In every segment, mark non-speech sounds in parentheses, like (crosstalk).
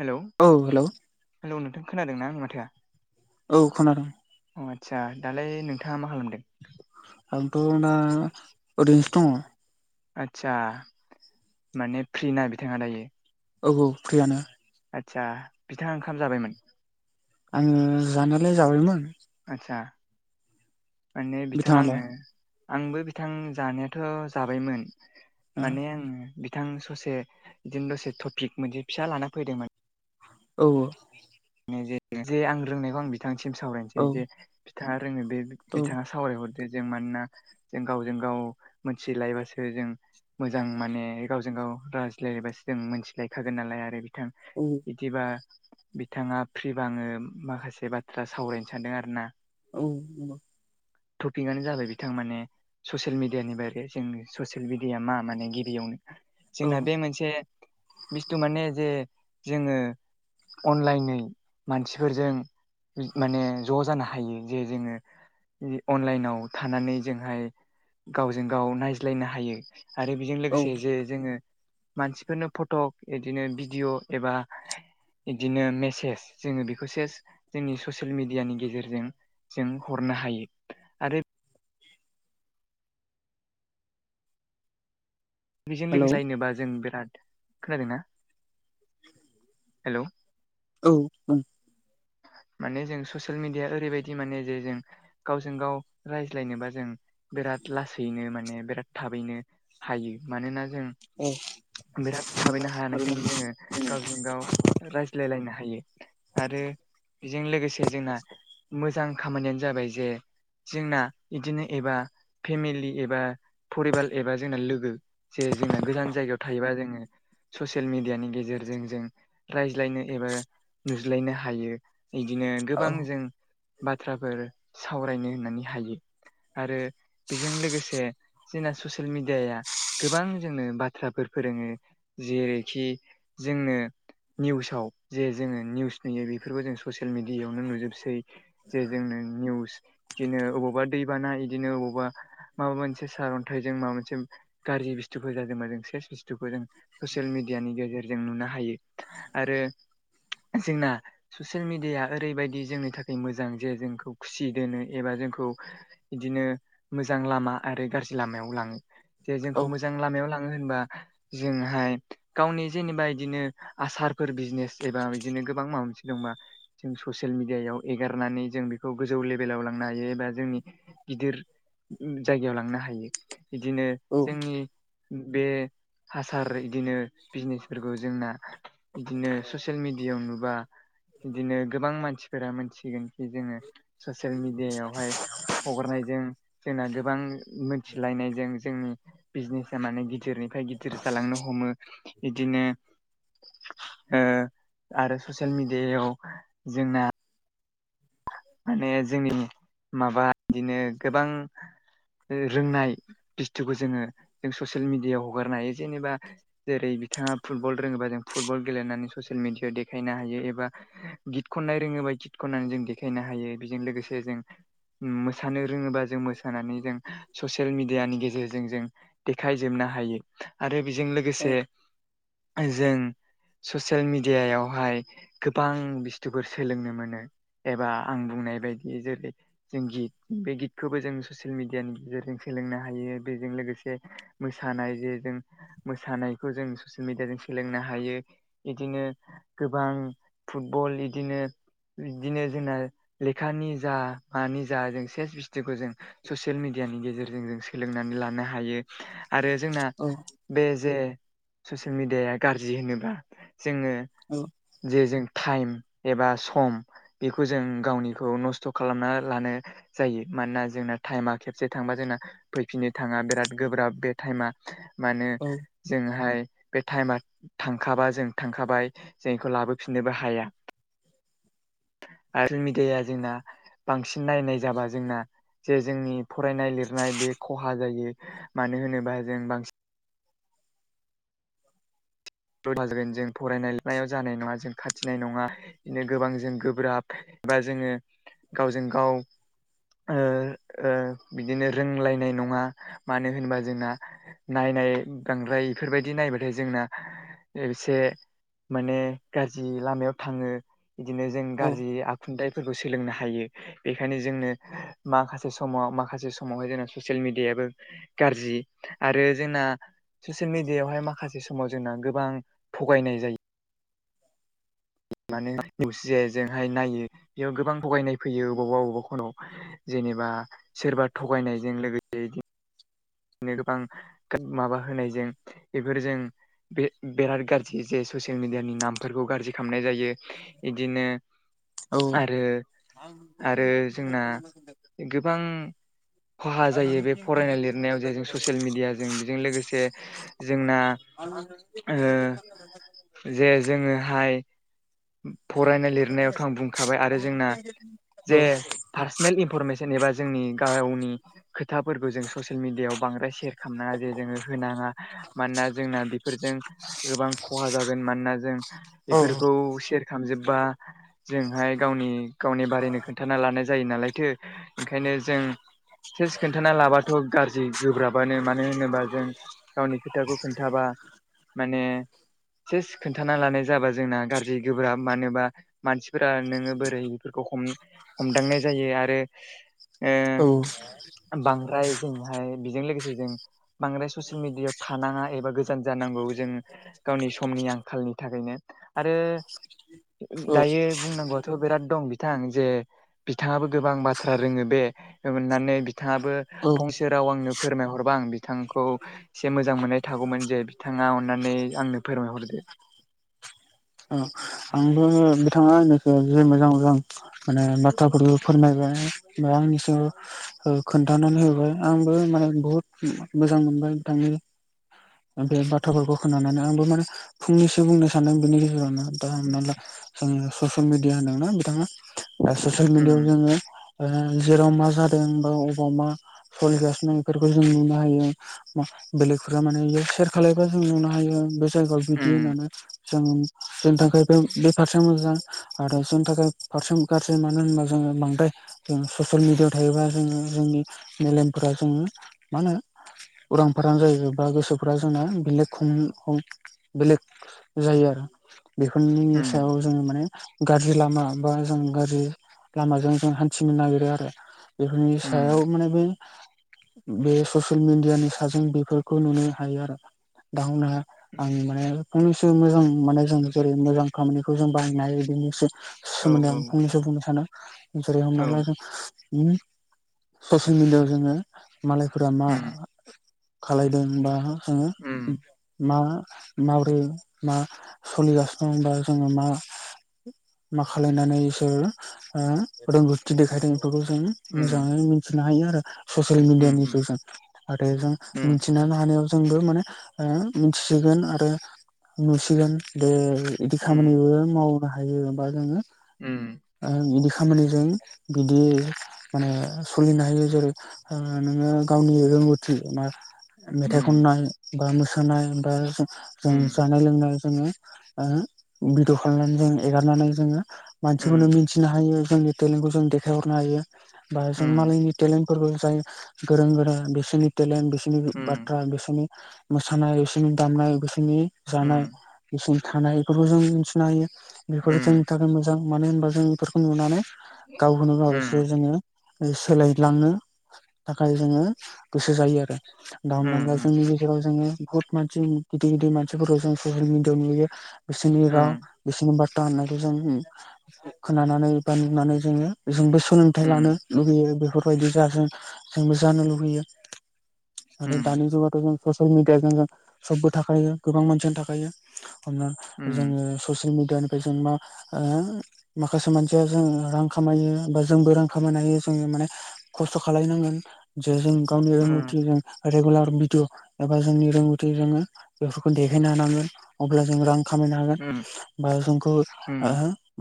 हेल' औ hello hello नोंथां खोनादों ना आंनि माथोआ औ खोनादों अ आतसा दालाय नोंथाङा मा खालामदों आंथ' दा ओरैनोसो दङ आदसा माने फ्रि ना बिथाङा दायो औ औ फ्रियानो आदसा बिथाङा ओंखाम जाबायमोन आङो जानायालाय जाबायमोन आचसा माने बिथां आङो बिथाङालाय आंबो बिथां जानायाथ' जाबायमोन माने आङो बिथां ससे बिदिनो दसे टपिक मोनसे फिसा लाना फैदोंमोन औ औ जे आं रोंनायखौ आं बिथांसिम सावरायनोसै औ जे बिथाङा रोङो बे बिथाङा सावरायहरदो जों मानोना जों गावजों गाव मोनथिलायबासो जों मोजां माने गावजों गाव रायज्लायलायबासो जों मोनथिलायखागोन नालाय आरो बिथां औ बिदिबा बिथाङा फ्रिब आङो माखासे बाथ्रा सावरायनो सानदों आरो ना औ टपिकआनो जाबाय बिथां माने ससियेल मिडियानि बारै जों ससियेल मिडिया मा माने गिबियावनो औ जोंना बे मोनसे बुस्थु माने जे जोङो अनलाइनै मानसिफोरजों माने ज' जानो हायो जे जोङो अनलाइनाव थानानै जोंहाय गावजों गाव नायज्लायनो हायो आरो बेजों औ लोगोसे जे जोङो मानसिफोरनो फट' बिदिनो भिडिअ' एबा बिदिनो मेसेज जोङो बेखौसेस जोंनि ससियेल मिेडियानि गेजेरजों जों हरनो हायो आरो बेजों हेलौ लोगोसे जायनो बा जों बिराद खोनादोंना हेल' औ औ माने जों ससियेल मिडिया ओरैबायदि माने जे जों गावजों गाव रायज्लायनोबा जों बिराद लासैनो माने बिराद थाबैनो हायो मानोना जों (unintelligible) बिराद थाबैनो औ हानायखायनो जोङो गावजों गाव रायज्लायलायनो हायो आरो बेजों लोगोसे जोंना मोजां खामानियानो जाबाय जे जोंना बिदिनो एबा फेमिलि एबा फरिबार एबा जोंना लोगो जे जोंना गोजान जायगायाव थायोबा जोङो ससियेल मिडियानि गेजेरजों जों रायज्लायनो एबा नुज्लायनो हायो इदिनो गोबां जों बाथ्राफोर सावरायनो होननानै हायो आरो बेजों लोगोसे जोंना ससियेल मिडियाया गोबां जोंनो बाथ्राफोर फोरोङो जेरैखि जोंनो निउसाव जे जोङो निउस नुयो बेफोरखौ जों ससियेल मिेडियायावनो नुजोबसै जे जोंनो निउस बिदिनो अबावबा दैबाना बिदिनो अबावबा माबा मोनसे सारन्थाइजों माबा मोनसे गाज्रि बस्थुखखौ जादों (unintelligible) बुथुखौ जों ससियेल मिडियानि गेजेरजों नुनो हायो आरो जोंना ससियेल मिेडियााया ओरैबायदि जोंनि थाखाय मोजां जे जोंखौ खुसि दोनो एबा जोंखौ बिदिनो मोजां लामा आरो गाज्रि लामायाव लाङो जे औ जोंखौ मोजां लामायाव लाङो होनबा जोंहाय गावनि जेनेबा बिदिनो आसारफोर बिजनेस एबा बिदिनो गोबां माबा मोनसे दंबा जों ससियेल मिडियायाव एगारनानै जों बेखौ गोजौ लेभेलाव लांनो हायो एबा जोंनि गिदिर जायगायाव लांनो हायो बिदिनो औ जोंनि बे हासार बिदिनो बिजनेसफोरखौ जोंना बिदिनो ससियेल मिेडियायाव नुबा बिदिनो गोबां मानसिफोरा मोनथिगोन खि जोङो ससियेल मिेडियावहाय हगारनायजों जोंना गोबां मोनथिलायनायजों जोंनि बिजनेसा माने गिदिरनिफ्राय गिदिर जालांनो हमो बिदिनो आरो ससियेल मिडियायाव जोंना माने जोंनि माबा बिदिनो गोबां रोंनाय बुस्थुखौ जोङो जों ससियेल मिडियायाव हगारनो हायो जेनेबा जेरै बिथाङा फुटबल रोङोबा जों फुटबल गेलेनानै ससियेल मिेडियायाव देखायनो हायो एबा गित खननाय रोङोबा गित खननानै जों देखायनो हायो बेजों लोगोसे जों मोसा सानो रोङोबा जों मोसानानै जों ससियेल मिेडियानि गेजेरजों जों देखायजोबनो हायो आरो बेजों औ लोगोसे जों ससियेल मिडियायावहाय गोबां बुस्थुफोर सोलोंनो मोनो एबा आं बुंनाय बायदि जेरै जों गित बे गितखौबो जों ससियेल मिडियानि गेजेरजों सोलोंनो हायो बेजों लोगोसे मोसानाय जे जों मोसानायखौ जों ससियेल मिेडियाजों सोलोंनो हायो बिदिनो गोबां फुटबल बिदिनो बिदिनो जोंना लेखानि जा मानि जा जों सेस बिसथुखौ जों ससियेल मिेडियानि गेजेरजों जों सोलोंनानै लानो हायो आरो जोंना औ बे जे ससियेल मिेडियाया गाज्रि होनोबा जोङो औ जे जों टाइम एबा सम बेखौ जों गावनिखौ नस्थ' खालामना लानो जायो मानोना जोंना टाइमा खेबसे थांबा जोंना फैफिनो थाङा बिराद गोब्राब बे टाइमा मानो जोंहाय बे टाइमा थांखाबा जों थांखाबाय जों बेखौ लाबोफिननोबो हाया आरो मिडियाया जोंना बांसिन नायनाय जाबा जोंना जे जोंनि फरायनाय लिरनाय बे खहा जायो मानो होनोबा जों बांसिन जोगोन (unintelligible) जों फरायनायनायाव जानाय नङा जों खाथिनाय नङा बिदिनो गोबां जों गोब्राब एबा जोङो गावजों गाव ओ ओ बिदिनो रोंलायनाय नङा मानो होनबा जोंना नायनाय गांद्राय बेफोरबायदि नायबाथाय जोंना एसे माने गाज्रि लामायाव थाङो बिदिनो जों गाज्रि आ खुथाइफोरखौ सोलोंनो हायो बेखायनो जोंनो माखासे समाव माखासे समावहाय जोंना ससियेल मिडियाबो गाज्रि आरो जोंना ससियेल मिडियायावहाय माखासे सु समाव जोंना गोबां थगायनाय जायो मानो मसि जोंहाय (unintelligible) नायो बेयाव गोबां थगायनाय फैयो बबावबा बबावबा खनाव जेनेबा सोरबा थगायनायजों लोगोसे (unintelligible) बिनो गोबां माबा होनायजों बेफोरजों बे बेराद गाज्रि जे ससियेल मिडियानि नामफोरखौ गाज्रि खालामनाय जायो इदिनो आरो आरो जोंना गोबां खहा जायो बे फरायनाय लिर नायाव जे जों ससियेल मिडिया जों बेजों लोगोसे जोंना ओ जे जोङोहाय फरायनाय लिरनायावथ' आं बुंखाबाय आरो जोंना जे पार्सनेल इनफरमेसन एबा जोंनि गावनि खोथाफोरखौ जों ससियेल मिडियाायाव बांद्राय शेयार खालामनाङा जे जोङो होनाङा मानोना जोंना बेफोरजों गोबां खहा जागोन मानोना जों औ बेफोरखौ शेयार खालामजोबबा जोंहाय गावनि गावनि बारैनो खोन्थाना लानाय जायो नालाय थो ओंखायनो जों सेस खोन्थाना लाबथ' गाज्रि गोब्राबानो मानो होनोबा जों गावनि खोथाखौ खोन्थाबा माने सेस खोन्थाना लानाय जाबा जोंना गाज्रि जि गोब्राब मानोबा मानसिफोरा नोङो बोरै बेफोरखौ हम हमदांनाय जायो आरो ओ बांद्राय जोंहाय बेजों लोगोसे जों बांद्राय ससियेल मिडियायाव थानाङा एबा गोजान जानांगौ जों गावनि समनि आंखालनि थाखायनो आरो औ दायो बुंनांगौआथ' बिराद दं बिथां जे बिथाङाबो गोबां बाथ्रा रोङो बे होननानै बिथाङाबो औ फंसे जेराव आंनो फोरमायहरबा आं बिथांखौ एसे मोजां मोननाय थागौमोन जे बिथाङा अननानै आंनो फोरमायहरदो औ आंबो बिथाङा नोंसो जि मोजां मोजां माने बाथ्राफोरखौ फोरमायबाय बा आंनि सायाव खोन्थानानै होबाय आंबो माने बहुत मोजां मोनबाय नोंथांनि बे बाथ्राफोरखौ खोनानानै आंबो माने फंनैसो बुंनो सानदों बेनि गेजेरावनो दा हमना जों ससियेल मिडिया होनदोंना बिथाङा ससियेल उम मिडियायाव जोङो जेराव मा जादों बा अबाव मा सोलिगासिनोफोरखौ जों नुनो हायो बेलेगफोरा मानेयो सेयार खालबा जों नुनो हायो बे जायगायाव बिदि उम होननानै जों जोंनि थाखाय बे बे फारसे मोजां आरो जोंनि थाखाय फारसे गाज्रि मानो होनबा जोङो बांद्राय जों ससियेल मिडियाव थायोबा जोङो जोंनि मेलेमफोरा जोङो मा होनो उरां फारां जायो बा गोसोफोरा जोंना बेलेग खम बेलेग जायो आरो बेफोरनि उम सायाव जोङो माने गाज्रि लामा बा जों गाज्रि लामाजों जों हान्थिनो नागिरो आरो बेफोरनि सायाव उम माने बै बे ससियेल मिडियानि साजों बेफोरखौ नुनो हायो आरो (unintelligible) आं माने फंनैसो मोजां माने जों जेरै मोजां खामानिखौ जों बाहायनाय बिदिनि औ सोमोन्दै आं फंनैसो बुंनो सानो जेरै हमना औ ला जों उम ससियेल मिडियाव जोङो मालायफोरा मा उम खालायदोंबा जोङो उम मा माबोरै मा सोलिगासिनो दंबा जोङो मा मा खालायनानै इसोर ओ रोंगौथि देखायदों बेफोरखौ जों उम मोजाङै मिथिनो हायो आरो ससियेल उम मिडियानि उम थ्रु जों नाथाय जों उम मिथिनो हानायाव जोंबो माने ओ मिथिसिगोन आरो नुसिगोन दे बिदि उम खामानिबो मावनो हायोबा जोङो ओम बिदि खामानिजों बिदि माने सोलिनो हायो जेरै ओ नोङो गावनि रोंगौथि मा मेथाइ उम खननाय बा मोसानाय बा उम जों जानाय लोंनाय जोङो ओ भिद' खालामनानै जों एंगारनानै जोङो उम मानसिफोरनो मि थिनो हायो जोंनि थेलेनखौ जों देखायहरनो हायो बा उम जों मालायनि थेलेन फोरबो जाय गोरों गोरा बिसोरनि टेलेन्ट बिसोरनि बाथ्रा बिसोरनि मोसानाय बिसोरनि दामनाय बिसोरनि जानाय उम बिसोरनि थानाय बेफोरखौ जों मिथिनो हायो उम बेफोरो जोंनि थाखाय मोजां मानो होनबा जों बेफोरखौ नुनानै गावखौनो गाव उम उम एसे जोङो सोलायलांनो थाखाय जोङो गोसो जायो आरो दा हमना ला उम उम जोंनि गेजेराव जोङो बहुत मानसि गिदिर गिदिर मानसिफोरखौ जों ससियेल मेडियानि जों नुयो बिसोरनि राव उम उम बिसोरनि बाथ था होननायखौ जों खोनानानै बा नुनानै जोंबो सोलोंथायाइ उम लानो लुुबैयो बेफोरबायदि जाजों जोंबो जानो लुुबैयो उम आरो दानि जुगावथ' जों ससियेल मिडियाजों जों सबबो थाखायो गोबां मानसियानो थाखायो हमना जोङो ससियेल मिडियानिफ्राय जों मा ओ माखासे मानसिया जों रां खामायो बा जोंबो रां खामायनो हायो जोङो माने खसथ' खालायनांगोन जे जों गावनि रोंगौथिजों रेगुलार भिडिअ एबा जोंनि रोंगौथि जोङो बेफोरखौ देखायनो हानांगोन अब्ला जों रां खामायनो हागोन बा जोंखौ ओ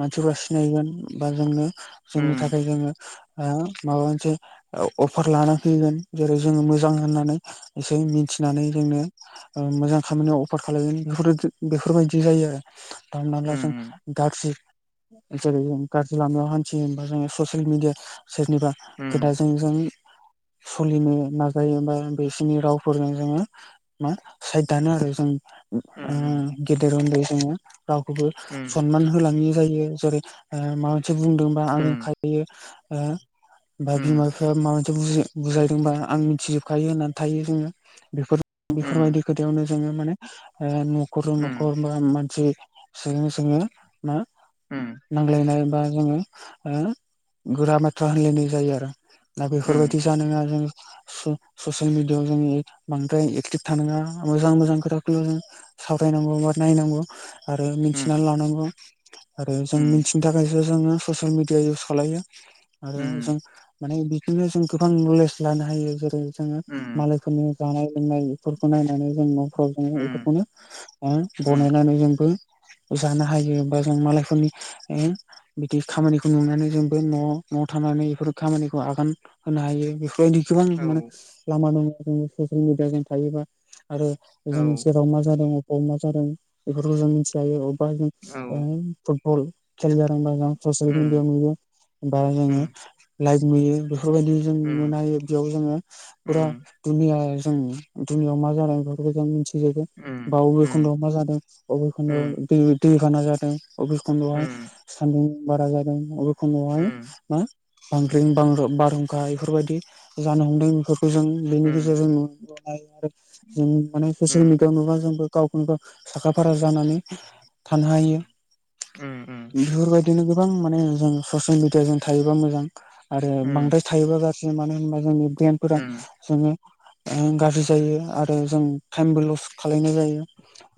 मानसिफ्रा सिनायगोन बा जोङो जोंनि थाखाय जोङो ओ माबा मोनसे अफार लाना फैगोन जेरै जोङो मोजां होननानै एसे मिथिनानै जोंनो ओ मोजां खामानियाव अफार खालागोन बेफोर बेफोरबायदि जायो आरो दा हमना ला उम उम जों गाज्रि जेरै जों गाज्रि लामायाव हानथियोबा जोङो ससियेल मिडिया सोरनिबा खोथाजों जों सलिनो नाजायोबा बिसोरनि रावफोरजों जोङो मा साइद दानो आरो जों ओ उम गेदेर उनदै जोङो रावखौबो सनमान होलाङि जायो जेरै ओ माबा मोनसे बुंदोंबा आरो उम खायफाया ओ दा बिमा बिफाया मा बु बुजायदोंबा आं मिथिजोबखायो होननानै थायो जोङोफोर बेफोर बेफोरबायदि खोथायावनो जोङो माने ओ नखरजों न'खर मानसि सोङो सोङो मा ओम नांज्लायनाय बा जोङो ओ गोरा बाथ्रा होनलायनाय जायो आरो दा बेफोरबायदि जानाया जों ससियेल मिडियाव जोङो बांद्राय एकटिभ थानाङा मोजां मोजां खोथाखौल' जों सावरायनांगौ बा नायनांगौ आरो मिथिनानै लानांगौ आरो जों मिथि नों थाखायसो जोङो ससियेल मिडिया इउस खालायो आरो जों माने बिदिनो जों गोबां नलेज लानो हायो जेरै जोङो माला यफोरनो जानाय लोंनाय बेफोरखौ नायनानै जों न'फ्राव जोङो उम बेफोरखौनो उम बनायनानै जोंबो जानो हायो बा जों मालायफोरनि बिदि खामानिखौ नुनानै जोंबो न' न'आव थानानै बेफोर खामानिखौ आगान होनो हायो ओ बेफोरबायदि गोबां औ माने लामा सामा जों ससियेल मिडिया जों थायोबा आरो औ जों जेराव मा जादों अबेबा मा जादों बेफोरखौ जों मिथि हायो अबेबा जों औ फुटबल खेल जादोंबा जों ससियेल मिडियाायाव उम नुयो ओमफ्राय जोङो उम लाइट नुयो बेफोरबायदि जों उम नुनो हायो बेयाव जोङो फुरा दुनिया जों दुनियाव मा जानाय बेफोरखौ जों मिथिजोबो बा बबे खनदआव मा जादों बबे खनदयाव दै दैबाना जादों अबे खनदयावहाय सानदुं बारा जादों अबे खनायावहाय मा बांग्रिं बां बारहुंखा बेफोरबायदि जानो हमदों बेफोर खौ जों बेनि गेजेरजों नुयो आरो जों माने ससियेल मिडियायाव नुबा जों गावखौनो गाव साखा फारा जानानै थानो हायो ओम - ओम बेफोरबायदिनो गोबां माने जों ससियेल मिडिया जों थायोबा मोजां आरो बांद्राय थायोबा मानो होनबा जोंनि ब्रेनदफोरा जोङो ओ गाज्रि जायो आरो जों टाइमबो लस्ट खालायनाय जायो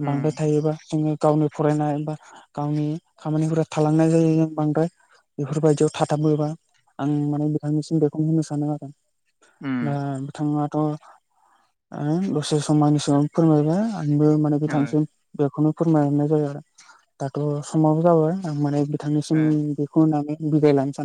बांद्राय थायोबा जोङो गावनि फरायनाय बा गावनि खामानिफोरा थालांनाय जायो जों बांद्राय बेफोरबायदियाव थाथाबोबा आं माने नोंथांनिसिम बेखौनो होननो सानो आरो दा नोंथाङाथ' आ दसे सम आंनि सिगांयाव फोरमायबाय आंबो माने नोंथांनिसिम बेखौनो फोरमायनाय जायो आरो दाथ' समाबो जाबाय माने बिथांनिसिम खौ होननानै बिदाय लानो सानो